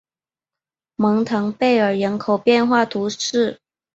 蒙唐贝尔人口变化图示